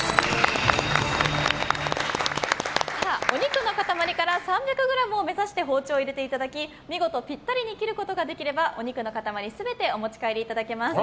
お肉の塊から３００ｇを目指して包丁を入れていただき、見事ピッタリに切ることができればお肉の塊全てお持ち帰りいただけます。